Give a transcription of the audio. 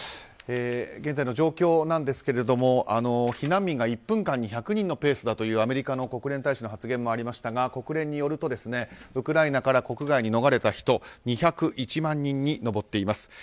現在の状況なんですが避難民が１分間に１００人のペースだというアメリカの国連大使の発言もありましたが国連によるとウクライナから国外に逃れた人は２０１万人に上っています。